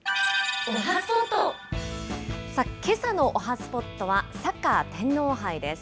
けさのおはＳＰＯＴは、サッカー天皇杯です。